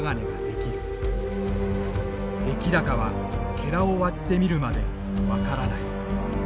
出来高はを割ってみるまで分からない。